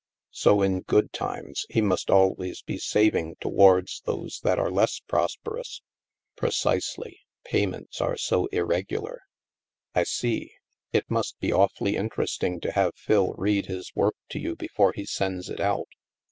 So in good times, he must always be saving towards those that are less pros perous." " Precisely. Payments are so irregular." *' I see. It must be awfully interesting to have Phil read his work to you before he sends it out.